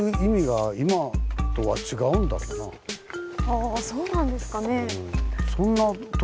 ああそうなんですかね？